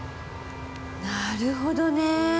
なるほどね。